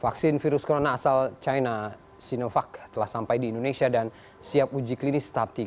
vaksin virus corona asal china sinovac telah sampai di indonesia dan siap uji klinis tahap tiga